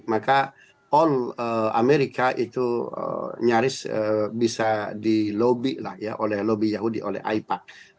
maka all amerika itu nyaris bisa di lobby lah ya oleh lobby yahudi oleh aipac